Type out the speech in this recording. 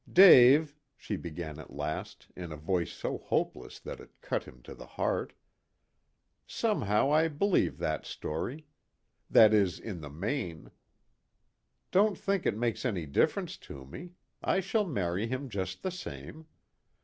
"Dave," she began at last, in a voice so hopeless that it cut him to the heart, "somehow I believe that story. That is, in the main. Don't think it makes any difference to me. I shall marry him just the same.